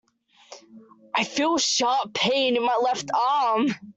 I feel a sharp pain in my left arm.